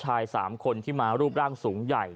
ชาย๓คนที่มารูปร่างสูงใหญ่